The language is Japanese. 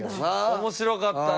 面白かったな。